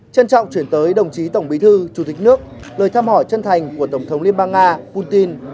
trân trọng chuyển tới đồng chí tổng bí thư chủ tịch nước lời thăm hỏi chân thành của tổng thống liên bang nga putin